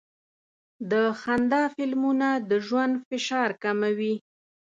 د خندا فلمونه د ژوند فشار کموي.